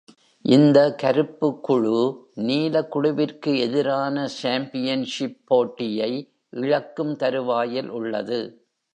இந்த கருப்பு குழு நீல குழுவிற்கு எதிரான சாம்பியன்ஷிப் போட்டியை இழக்கும் தருவாயில் உள்ளது.